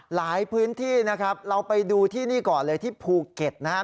หลายพื้นที่นะครับเราไปดูที่นี่ก่อนเลยที่ภูเก็ตนะครับ